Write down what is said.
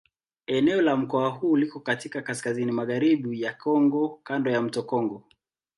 Eneo la mkoa huu liko katika kaskazini-magharibi ya Kongo kando ya mto Kongo.